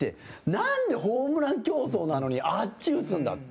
なんでホームラン競争なのにあっち打つんだ？って。